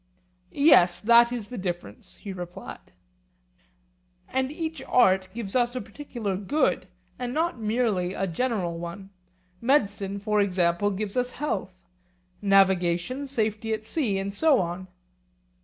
Yes, that is the difference, he replied. And each art gives us a particular good and not merely a general one—medicine, for example, gives us health; navigation, safety at sea, and so on?